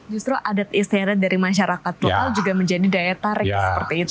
justru adat istiadat dari masyarakat lokal juga menjadi daya tarik seperti itu